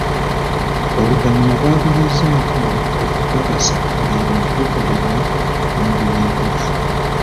Oluvannyuma twagezezzaako okukakasa ng'ebintu bikolebwa mu ngeri entuufu.